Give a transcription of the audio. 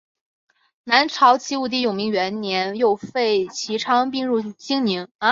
南朝齐武帝永明元年又废齐昌并入兴宁。